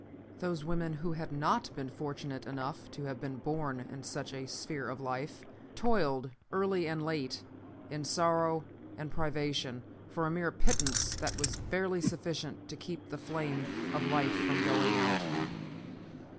Those women who had not been fortunate enough to have been born in such a sphere of life toiled early and late, in sorrow and privation, for a mere pittance that was barely sufficient to keep the flame of life from going out.